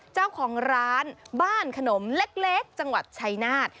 เจ้าของร้านบ้านขนมเล็กจังหวัดชัยนาธ